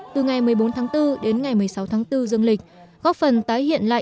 từ ngày một mươi bốn tháng bốn đến ngày một mươi sáu tháng bốn dương lịch góp phần tái hiện lại